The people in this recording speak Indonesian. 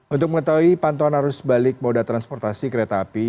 untuk mengetahui pantauan arus balik moda transportasi kereta api